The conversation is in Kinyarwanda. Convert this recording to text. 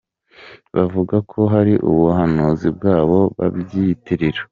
Bavuga ko hari ubuhanuzi bwabo babyiyitirira